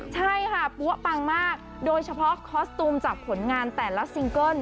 ใช่ค่ะปั๊วปังมากโดยเฉพาะคอสตูมจากผลงานแต่ละซิงเกิ้ล